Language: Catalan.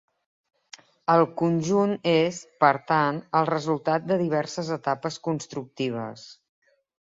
El conjunt és, per tant, el resultat de diverses etapes constructives.